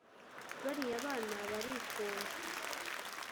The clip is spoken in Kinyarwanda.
bariya bana barikunda.